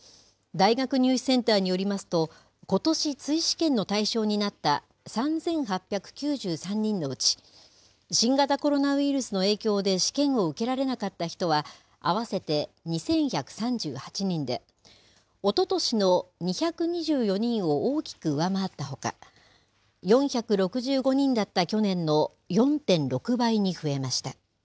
大学入試センターによりますと、ことし、追試験の対象になった３８９３人のうち、新型コロナウイルスの影響で試験を受けられなかった人は、合わせて２１３８人で、おととしの２２４人を大きく上回ったほか、４６５人だった去年の４．６倍に増えました。